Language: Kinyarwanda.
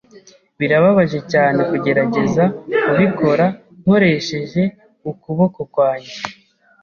Birababaje cyane kugerageza kubikora nkoresheje ukuboko kwanjye.